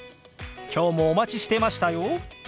今日もお待ちしてましたよ。